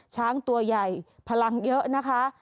ช้างตัวใหญ่พลังเยอะนะคะ